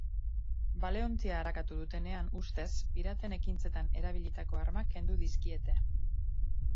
Baleontzia arakatu dutenean, ustez, piraten ekintzetan erabilitako armak kendu dizkiete.